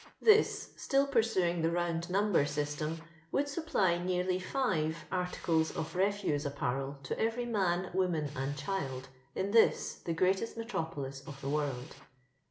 This, stiU pursuing the round number system, would supply nearly Jim artides of reftise upiMrel to every man, woman, and ohild in this, the greatest metropolis of the world.